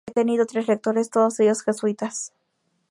Ha tenido tres rectores, todos ellos jesuitas.